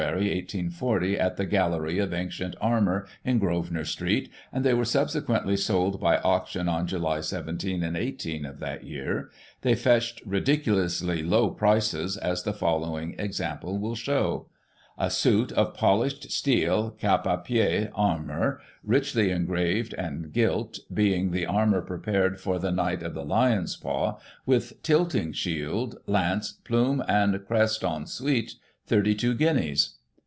1840, at the Gallery of Ancient Armour in Grosvenor Street, and they were subsequently sold by Auction on July 17 and 18 of that year. They fetched ridiculously low prices, as the following example will show: A suit of polished steel cap a pied armour, richly engraved and gilt, being the armour prepared for the Knight of the Lion*s Paw, with tilting shield, lance, plume and crest en suite, 32 guineas.